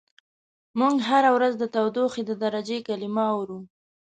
موږ هره ورځ د تودوخې د درجې کلمه اورو.